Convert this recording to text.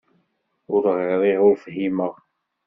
Ur ɣriɣ, ur fhimeɣ.